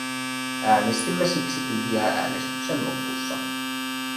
Äänestimme siksi tyhjää äänestyksen lopussa.